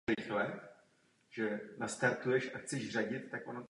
Američanka si první pozici po turnaji udržela.